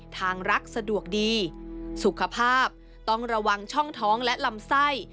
ทางรักสะดวกดีสุขภาพต้องระวังช่องท้องและลำไส้